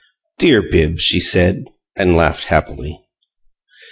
"Dear Bibbs!" she said, and laughed happily.